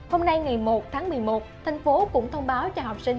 hôm nay ngày một tháng một mươi một thành phố cũng thông báo cho học sinh